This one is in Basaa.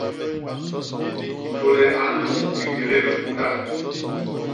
Tôle a nluñ ikédé liñgunda.